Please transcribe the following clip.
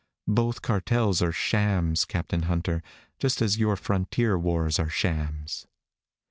Both cartels are shams, Captain Hunter, just as your frontier wars are shams.